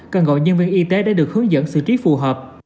cần gọi nhân viên y tế để được hướng dẫn xử trí phù hợp